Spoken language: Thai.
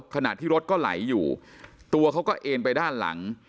ขณะที่รถก็ไหลอยู่ตัวเขาก็เอ็นไปด้านหลัง